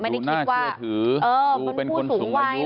ดูน่าเชื่อถือดูเป็นคนสูงอายุ